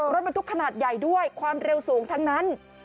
รถบรรทุกขนาดใหญ่ด้วยความเร็วสูงทั้งนั้น